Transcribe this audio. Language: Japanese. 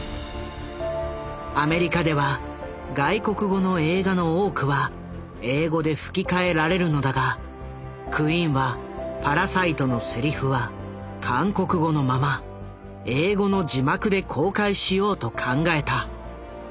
アメリカでは外国語の映画の多くは英語で吹き替えられるのだがクインは「パラサイト」のせりふは韓国語のまま英語の字幕で公開しようと考えた。